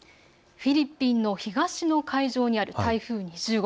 フィリピンの東の海上にある台風２０号。